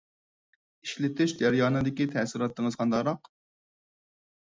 ئىشلىتىش جەريانىدىكى تەسىراتىڭىز قانداقراق؟